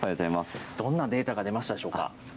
どんなデータが出ましたでしょうか。